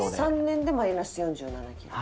３年でマイナス４７キロ。